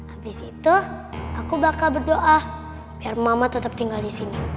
abis itu aku bakal berdoa biar mama tetep tinggal disini